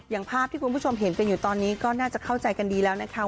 ภาพที่คุณผู้ชมเห็นกันอยู่ตอนนี้ก็น่าจะเข้าใจกันดีแล้วนะคะ